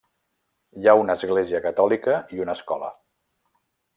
Hi ha una església catòlica i una escola.